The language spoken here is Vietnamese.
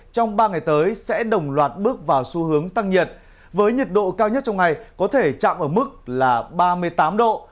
trong ba ngày tới sẽ đồng loạt bước vào xu hướng tăng nhiệt với nhiệt độ cao nhất trong ngày có thể chạm ở mức là ba mươi tám độ